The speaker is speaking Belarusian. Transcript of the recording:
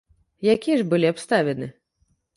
Якія ж былі абставіны?